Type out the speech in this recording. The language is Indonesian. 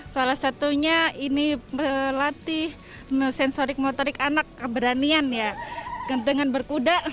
salah satunya ini melatih sensorik motorik anak keberanian ya dengan berkuda